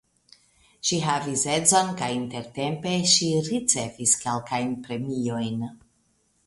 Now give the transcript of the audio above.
Ŝi havis edzon kaj intertempe ŝi ricevis kelkajn premiojn.